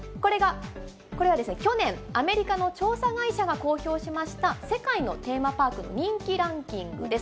これはですね、去年、アメリカの調査会社が公表しました、世界のテーマパークの人気ランキングです。